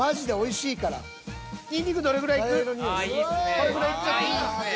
これぐらいいっちゃっていい？